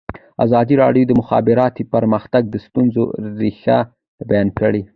ازادي راډیو د د مخابراتو پرمختګ د ستونزو رېښه بیان کړې.